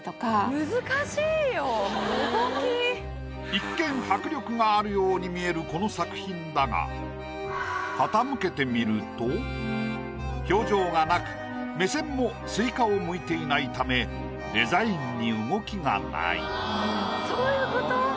一見迫力があるように見えるこの作品だが傾けてみると表情がなく目線もスイカを向いていないためそういうこと？